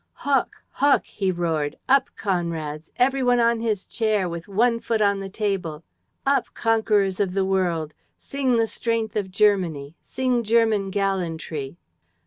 "Hoch! Hoch!" he roared. "Up, comrades! Every one on his chair, with one foot on the table! Up, conquerors of the world! Sing the strength of Germany! Sing German gallantry!